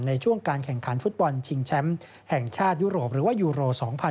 ในช่วงการแข่งขันฟุตบอลชิงแชมป์แห่งชาติยุโรปหรือว่ายูโร๒๐๑๖